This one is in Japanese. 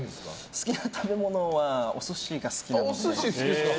好きな食べ物はお寿司が好きです。